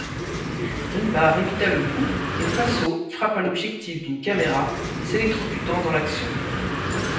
Dunbar évita le coup, et Fasaud frappa l'objectif d'une caméra, s'électrocutant dans l'action.